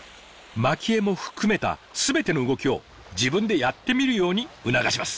まき餌も含めた全ての動きを自分でやってみるように促します。